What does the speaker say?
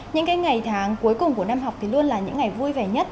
những ngày tháng cuối cùng của năm học thì luôn là những ngày vui vẻ nhất